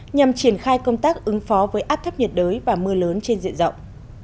nhằm triển khai công tác ứng phó với áp thấp nhiệt đới và mưa lớn trên diện rộng